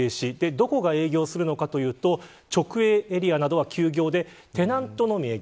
どこが営業するかというと直営エリアは休業でテナントのみ営業。